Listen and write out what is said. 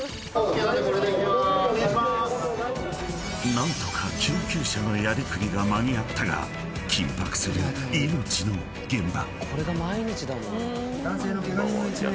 ［何とか救急車のやりくりが間に合ったが緊迫する命の現場］